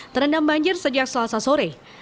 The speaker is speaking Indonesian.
terendam banjir sejak selasa sore